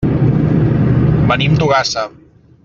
Venim d'Ogassa.